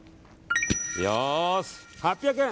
よーし、８００円！